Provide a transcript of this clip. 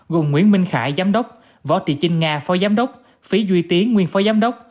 gồm nguyễn minh khải giám đốc võ thị chinh nga phó giám đốc phí duy tiến nguyên phó giám đốc